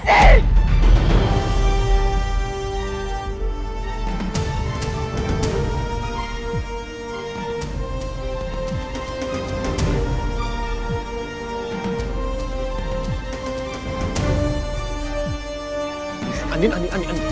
aku punya kekecewaan